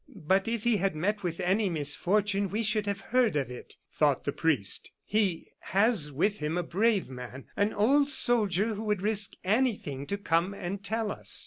"But if he had met with any misfortune we should have heard of it," thought the priest. "He has with him a brave man an old soldier who would risk anything to come and tell us."